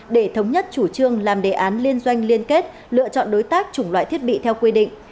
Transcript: để thống nhất chủ trương làm đề án liên doanh liên kết lựa chọn đối tác chủng loại thiết bị theo quy định